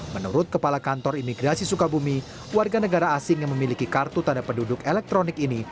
menurut kepala kantor imigrasi sukabumi warga negara asing yang memiliki kartu tanda penduduk elektronik ini